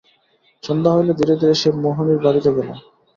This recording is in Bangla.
সন্ধ্যা হইলে ধীরে ধীরে সে মোহিনীর বাড়িতে গেল।